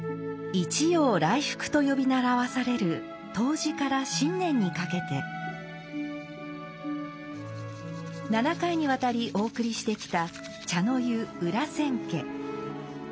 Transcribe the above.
「一陽来復」と呼び習わされる冬至から新年にかけて七回にわたりお送りしてきた「茶の湯裏千家」。